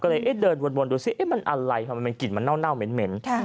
ก็เลยเดินบนดูสิมันอะไรมันเป็นกลิ่นเหม็น